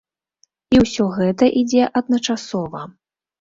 І ўсё гэта ідзе адначасова.